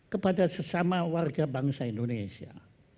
kepada sesama warga bangsa indonesia